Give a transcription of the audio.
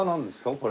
これ。